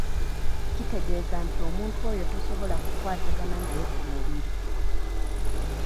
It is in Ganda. Kitegeeza nti omuntu oyo tosobola kukwatagana naye ku mubiri.